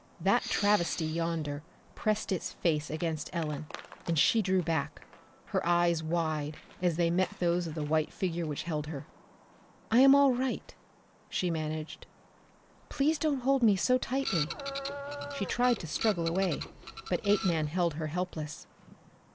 That travesty yonder pressed its face against Ellen, and she drew back, her eyes wide as they met those of the white figure which held her. "I am all right," she managed, "please don't hold me so tightly." She tried to struggle away, but Apeman held her helpless.